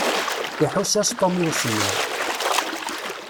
Iḥuss-as Tom i usemmiḍ.